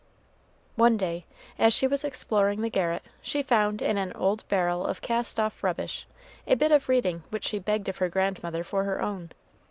One day, as she was exploring the garret, she found in an old barrel of cast off rubbish a bit of reading which she begged of her grandmother for her own.